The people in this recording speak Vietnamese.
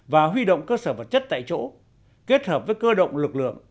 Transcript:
và huy động cơ sở vật chất tại chỗ kết hợp với cơ động lực lượng